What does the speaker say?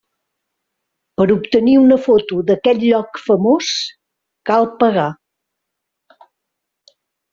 Per obtenir una foto d'aquest lloc famós, cal pagar.